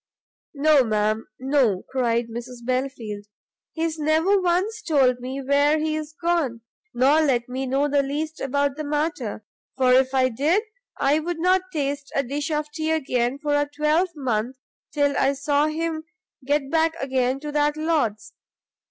"No, ma'am, no," cried Mrs Belfield, "he's never once told me where he is gone, nor let me know the least about the matter, for if I did I would not taste a dish of tea again for a twelvemonth till I saw him get back again to that lord's!